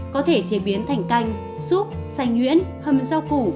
có thể chế biến thành canh súp xanh nguyễn hâm rau củ